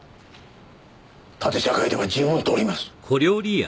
縦社会では十分通ります。